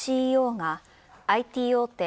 ＣＥＯがＩＴ大手